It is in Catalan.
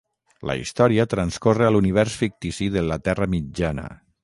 La història transcorre a l'univers fictici de la Terra Mitjana.